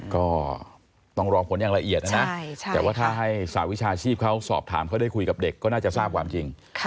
ก็ต้องรอผลอย่างละเอียดนะนะแต่ว่าถ้าให้สหวิชาชีพเขาสอบถามเขาได้คุยกับเด็กก็น่าจะทราบความจริง